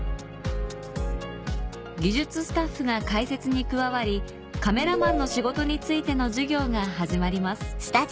技術スタッフが解説に加わりカメラマンの仕事についての授業が始まります